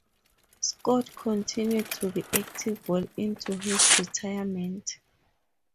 Scott continued to be active well into his retirement.